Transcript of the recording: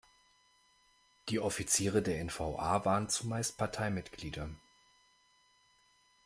Die Offiziere der N-V-A waren zumeist Parteimitglieder.